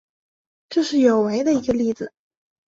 这是有违的一个例子。